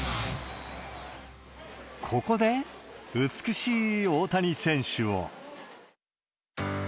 ここで、美しい大谷選手を。